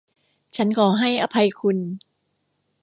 ฉันขอให้อภัยคุณ !